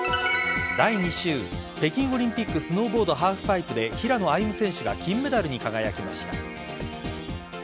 第２週北京オリンピックスノーボードハーフパイプで平野歩夢選手が金メダルに輝きました。